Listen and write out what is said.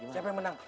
siapa yang menang